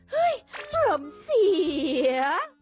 เฮ้ยชมเสีย